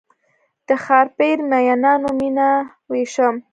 د ښارپر میینانو میینه ویشم